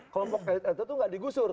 kelompok etnis itu enggak digusur